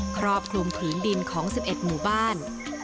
ครอบคลุมผืนดินของ๑๑หมู่บ้าน